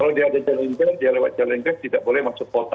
kalau dia ada jalan ger dia lewat jalan gas tidak boleh masuk kota